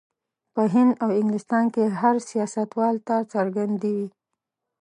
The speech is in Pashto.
په هند او انګلستان کې هر سیاستوال ته څرګندې وې.